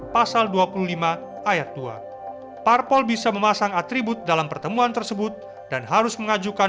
pasal dua puluh lima ayat dua parpol bisa memasang atribut dalam pertemuan tersebut dan harus mengajukan